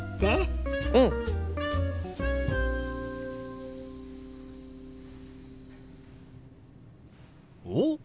うん！おっ！